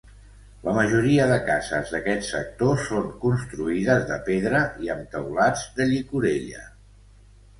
La majoria de cases d'aquest sector són construïdes de pedra i amb teulats de llicorella.